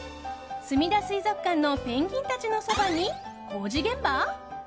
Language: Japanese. すみだ水族館のペンギンたちのそばに工事現場？